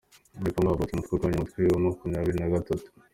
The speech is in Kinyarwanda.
Muri Kongo havutse umutwe urwanya Umutwe wamakumyabiri Nagatatu